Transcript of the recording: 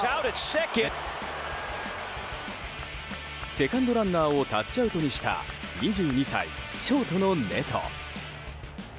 セカンドランナーをタッチアウトにした２２歳、ショートのネト。